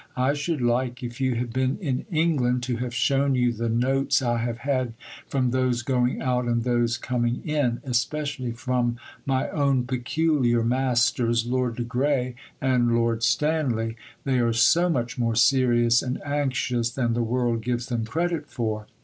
I should like, if you had been in England, to have shown you the notes I have had from those going out, and those coming in especially from my own peculiar masters, Lord de Grey and Lord Stanley. They are so much more serious and anxious than the world gives them credit for.